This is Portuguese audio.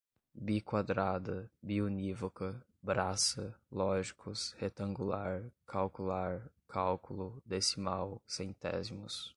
biquadrada, biunívoca, braça, lógicos, retangular, calcular, cálculo, decimal, centésimos